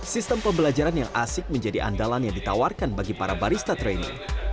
sistem pembelajaran yang asik menjadi andalan yang ditawarkan bagi para barista training